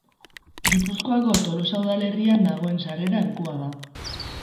Gipuzkoako Tolosa udalerrian dagoen sarrera-arkua da.